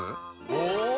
お！